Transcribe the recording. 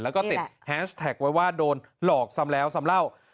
แล้วก็ติดแฮชแท็กไว้ว่าโดนหลอกซ้ำแล้วซ้ำเล่า